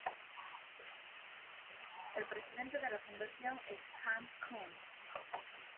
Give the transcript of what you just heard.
El presidente de la fundación es Hans Küng.